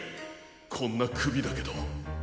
こんなくびだけど。